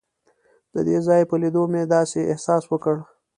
د دې ځای په لیدو مې داسې احساس وکړ.